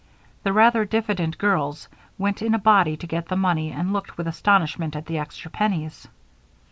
The rather diffident girls went in a body to get the money and looked with astonishment at the extra pennies.